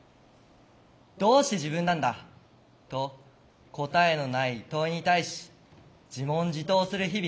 「どうして自分なんだ」と答えのない問いに対し自問自答する日々。